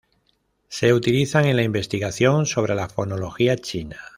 Se utilizan en la investigación sobre la fonología china.